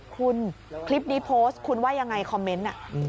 คุณคลิปนี้โพสต์คุณว่ายังไงคอมเมนต์